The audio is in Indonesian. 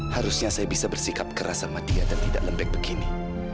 harusnya saya bisa bersikap keras sama dia dan tidak lembek begini